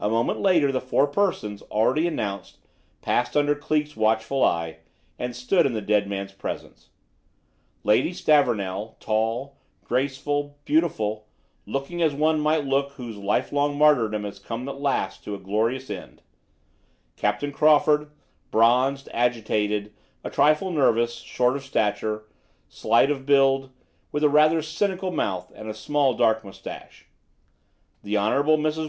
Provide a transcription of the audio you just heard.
A moment later the four persons already announced passed under Cleek's watchful eye, and stood in the dead man's presence. Lady Stavornell, tall, graceful, beautiful, looking as one might look whose lifelong martyrdom had come at last to a glorious end; Captain Crawford, bronzed, agitated, a trifle nervous, short of stature, slight of build, with a rather cynical mouth and a small dark moustache; the Hon. Mrs.